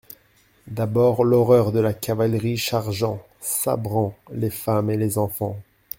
D'abord l'horreur de la cavalerie chargeant, sabrant, les femmes et les enfants.